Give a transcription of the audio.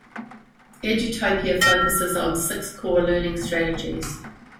Edutopia focuses on six core learning strategies.